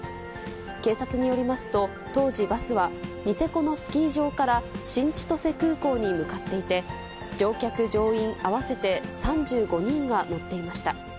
警察によりますと、当時、バスはニセコのスキー場から新千歳空港に向かっていて、乗客・乗員合わせて３５人が乗っていました。